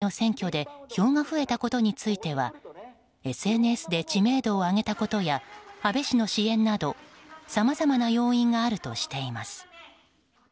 また、今回の選挙で票が増えたことについてはＳＮＳで知名度を上げたことや安倍氏の支援などさまざまな要因があるとしています。